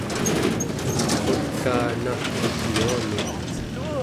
ut'rutaa navraq yuanun